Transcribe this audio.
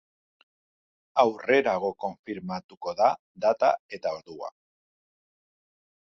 Aurrerago konfirmatuko da data eta ordua.